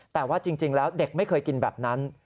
แต่ว่าจริงแล้วเด็กไม่เคยกินแบบนั้น